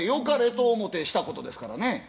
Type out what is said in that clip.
かれと思うてしたことですからね。